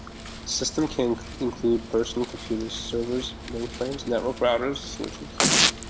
Systems can include personal computers, servers, mainframes, network routers, switches.